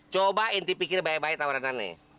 coba inti pikir baik baik tawaran nih